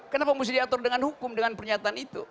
kenapa mesti diatur dengan hukum dengan pernyataan itu